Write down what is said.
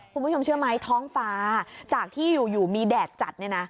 คุณผู้ชมเชื่อไหมท้องฟ้าจากที่อยู่มีแดดจัดเนี่ยนะ